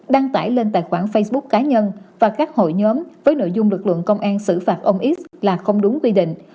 đăng tải lên tài khoản facebook cá nhân và các hội nhóm với nội dung lực lượng công an xử phạt ông x là không đúng quy định